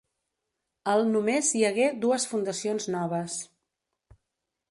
Al només hi hagué dues fundacions noves.